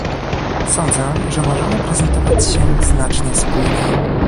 Sądzę, że możemy prezentować się znacznie spójniej